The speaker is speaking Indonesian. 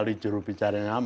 kan sesi ini penuh masalah